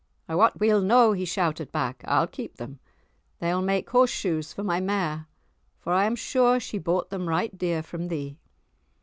"I wat weel no," he shouted back, "I'll keep them, they'll make horse shoes for my mare—for I am sure she's bought them right dear from thee."